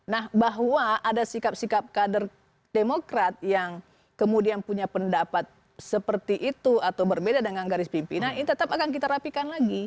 nah bahwa ada sikap sikap kader demokrat yang kemudian punya pendapat seperti itu atau berbeda dengan garis pimpinan ini tetap akan kita rapikan lagi